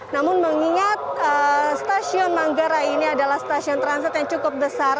namun mengingat stasiun manggarai ini adalah stasiun transit yang cukup besar